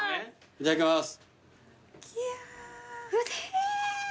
いただきます。